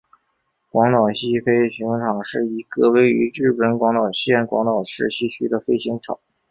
广岛西飞行场是一个位于日本广岛县广岛市西区的飞行场。